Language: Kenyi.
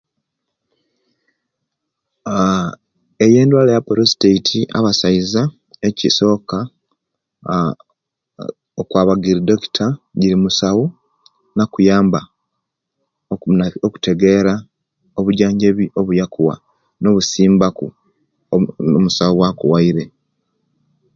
Aaa eyo endwaala ya prostate abasaiza kisoka aaa okwaba ejiri doctor ejeri musawo nakuyamba okuna okutegera obujanjabi obuyakuwa no busimbaku omu omusawo owakuwaire